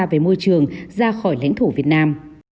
về môi trường ra khỏi lãnh thổ việt nam